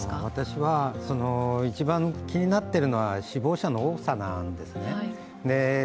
私は一番気になってるのは死亡者の多さなんですね。